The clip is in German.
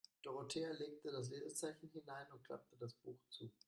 Dorothea legte das Lesezeichen hinein und klappte das Buch zu.